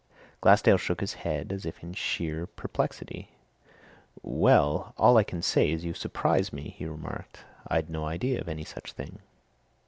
Glassdale shook his head as if in sheer perplexity. "Well, all I can say is, you surprise me!" he remarked. "I'd no idea of any such thing."